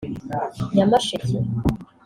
Nyamasheke